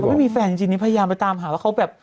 อุ้ยเขาไม่มีแฟนจริงพยายามไปตามหาแล้วเขาแบบ